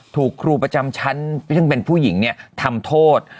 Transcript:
ถูกครูประจำชั้นซึ่งเป็นผู้หญิงทำโทษ